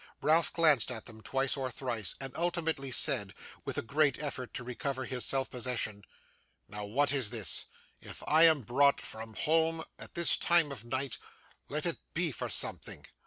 Ralph glanced at them twice or thrice, and ultimately said, with a great effort to recover his self possession, 'Now, what is this? If I am brought from home at this time of night, let it be for something.